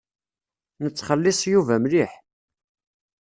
Nettxelliṣ Yuba mliḥ.